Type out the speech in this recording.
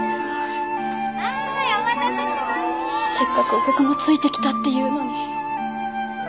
せっかくお客もついてきたっていうのに。